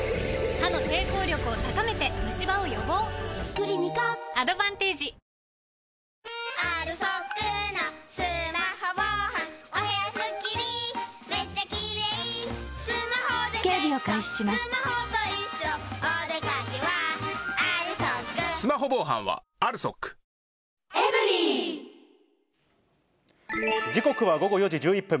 クリニカアドバンテージ時刻は午後４時１１分。